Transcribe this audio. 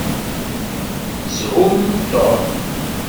Shum Tom!